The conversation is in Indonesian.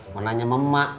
mau nanya sama emak